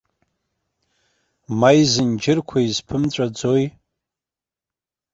Ма изынџьырқәа изԥымҵәаӡои?